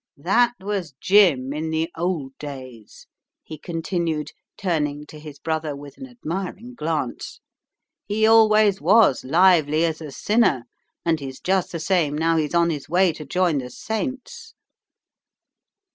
That was Jim in the old days," he continued, turning to his brother with an admiring glance. "He always was lively as a sinner, and he's just the same now he's on his way to join the saints."